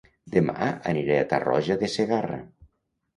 Dema aniré a Tarroja de Segarra